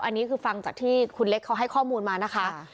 อันนี้คือฟังจากที่คุณเล็กเขาให้ข้อมูลมานะคะ